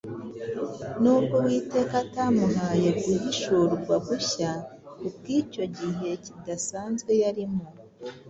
Nubwo Uwiteka atamuhaye guhishurwa gushya kubw’icyo gihe kidasanzwe yarimo,